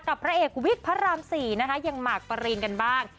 กับพระเอกวิกพระราม๔ยังหมากปรีนกันบ้าง